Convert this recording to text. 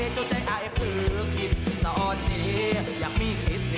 สวัสดีครับ